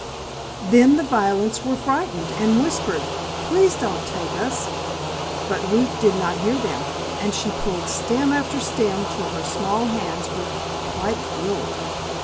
Then the violets were frightened and whispered, "Please don't take us!" But Ruth did not hear them, and she pulled stem after stem till her small hands were quite filled.